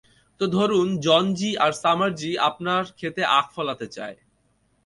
তো ধরুন জন জি আর সামার জি আপনার ক্ষেতে আখ ফলাতে চায়।